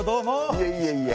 いえいえいえ。